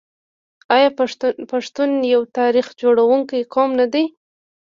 آیا پښتون یو تاریخ جوړونکی قوم نه دی؟